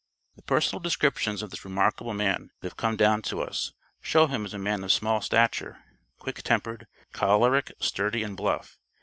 ] The personal descriptions of this remarkable man that have come down to us, show him as a man of small stature, quick tempered, choleric, sturdy and bluff.